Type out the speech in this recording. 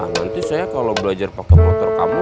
nanti kalau saya belajar pakai motor kamu